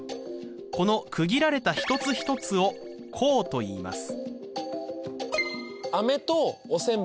この区切られた一つ一つを項といいます。